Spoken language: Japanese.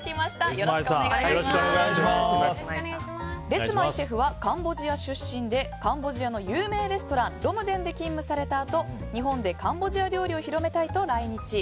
レスマイシェフはカンボジア出身でカンボジアの有名レストランロムデンで勤務されたあと日本でカンボジア料理を広めたいと来日。